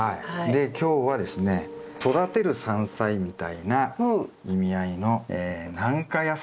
で今日はですね育てる山菜みたいな意味合いの軟化野菜という。